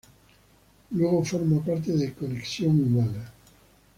Luego forma parte de Conexión Humana.